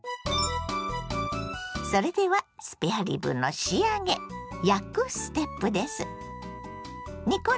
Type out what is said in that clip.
それではスペアリブの仕上げ「焼く」ステップです。